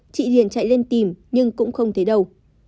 chị hiền chạy lên tìm nhưng cũng không thấy đâu